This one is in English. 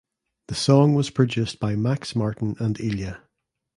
The song was produced by Max Martin and Ilya.